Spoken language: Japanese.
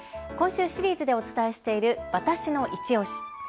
今週、シリーズでお伝えしているわたしのいちオシ。